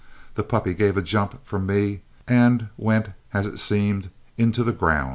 The puppy gave a jump from me and went, as to me it seemed, into the ground.